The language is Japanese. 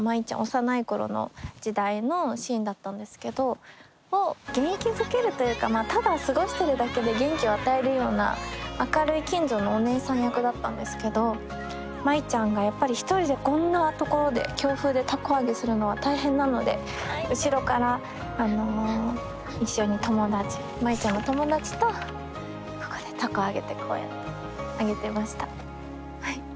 幼い頃の時代のシーンだったんですけど元気づけるというかただ過ごしてるだけで元気を与えるような明るい近所のおねえさん役だったんですけど舞ちゃんがやっぱり一人でこんな所で強風で凧揚げするのは大変なので後ろから一緒に舞ちゃんの友達とここで凧揚げてこうやって揚げてました。